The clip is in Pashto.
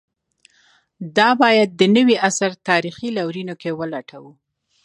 دا باید د نوي عصر تاریخي لورینو کې ولټوو.